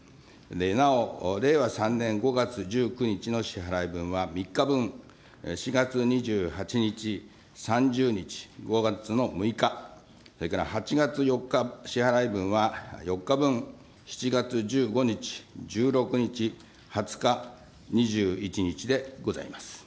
なお、令和３年５月１９日の支払い分は３日分４月２８日、３０日、５月の６日、それから８月４日支払い分は４日分、７月１５日、１６日、２０日、２１日でございます。